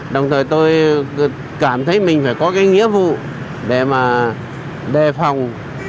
đồng thời tôi cảm thấy mình phải có cái nghĩa vụ để mà đề phòng